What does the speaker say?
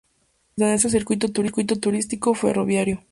Pertenece al Circuito Turístico Ferroviario.